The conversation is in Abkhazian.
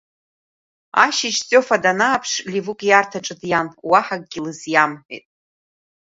Ашьыжь Стефа данааԥш, Ливук ииарҭаҿы диан, уаҳа акгьы лызиамҳәеит.